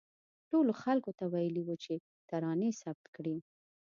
ټولو خلکو ته ویلي وو چې ترانې ثبت کړي.